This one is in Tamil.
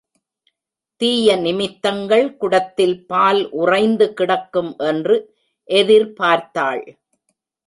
தீய நிமித்தங்கள் குடத்தில் பால் உறைந்து கிடக்கும் என்று எதிர் பார்த்தாள்.